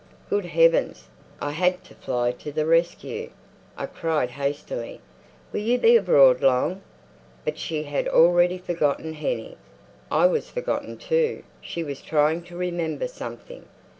Good heavens! I had to fly to the rescue. I cried hastily, "Will you be abroad long?" But she had already forgotten Hennie. I was forgotten, too. She was trying to remember something....